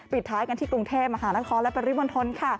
ปิดท้ายกันที่กรุงเทพฯมหาละครและปริวนทน